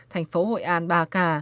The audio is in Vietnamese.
thành phố hội an ba ca